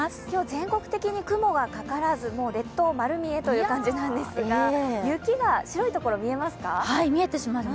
全国的に雲がかからず列島丸見えという感じなんですが、雪が、白い所見えますか？